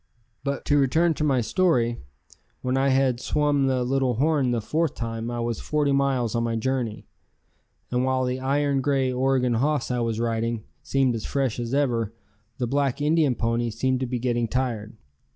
But to return to my story. When I had swum the Little Horn the fourth time I was forty miles on my journey, and while the iron grey Oregon hoss I was riding seemed as fresh as ever, the black Indian ponies seemed to be getting tired.